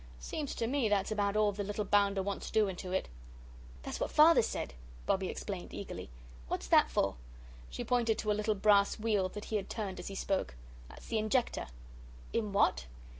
Seems to me that's about all the little bounder wants doing to it." "That's what Father said," Bobbie explained eagerly. "What's that for?" She pointed to a little brass wheel that he had turned as he spoke. "That's the injector." "In what?"